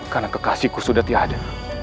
karena kekasihku sudah tidak ada